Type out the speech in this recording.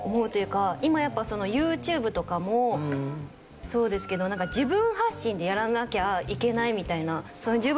今やっぱＹｏｕＴｕｂｅとかもそうですけどなんか自分発信でやらなきゃいけないみたいな。